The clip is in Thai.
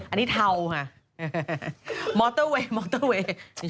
อันนี้เทาค่ะมอเตอร์เวย์มอเตอร์เวย์